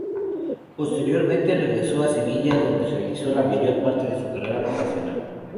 Posteriormente regresó a Sevilla, donde realizó la mayor parte de su carrera profesional.